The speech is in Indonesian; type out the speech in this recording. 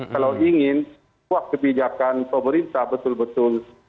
kalau ingin wah kebijakan pemerintah betul betul